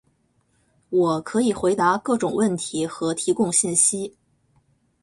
我可以回答各种问题和提供信息。